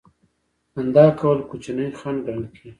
خندا کول کوچنی خنډ ګڼل کیږي.